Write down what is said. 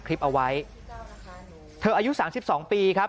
ขอบคุณครับ